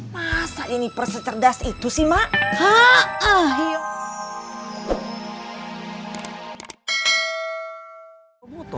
masa jennifer secerdas itu sih mak